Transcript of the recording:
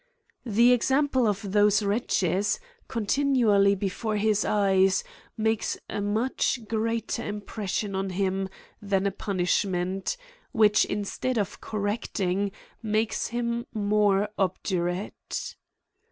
The example of those wretches, continually before his eyes, makes a much great er impression on him than a punishment, which instead of correcting, makes him more obdurate.